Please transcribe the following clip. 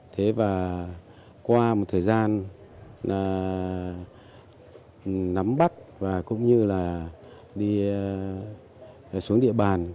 thế và qua một thời gian nắm bắt và cũng như là đi xuống địa bàn